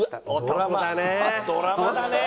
ドラマだね！